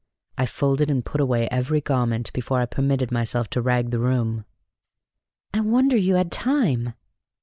I folded and put away every garment before I permitted myself to rag the room." "I wonder you had time!"